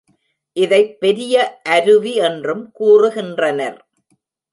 இதைப் பெரிய அருவி என்றும் கூறுகின்றனர்.